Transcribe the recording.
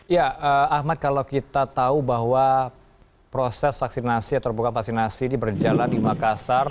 ya ahmad kalau kita tahu bahwa proses vaksinasi atau bukan vaksinasi ini berjalan di makassar